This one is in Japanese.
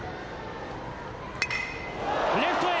レフトへ！